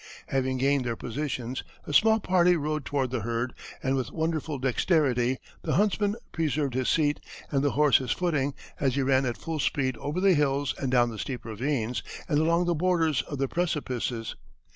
Having gained their positions, a small party rode toward the herd, and with wonderful dexterity the huntsman preserved his seat, and the horse his footing, as he ran at full speed over the hills and down the steep ravines and along the borders of the precipices.